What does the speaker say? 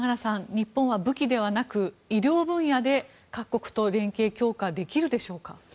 日本は武器ではなく、医療分野で各国と連携強化できるでしょうか。